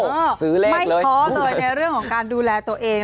ไม่ท้อเลยในเรื่องของการดูแลตัวเอง